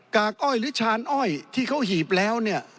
กากอ้อยหรือชานอ้อยที่เขาหีบแล้วเนี่ย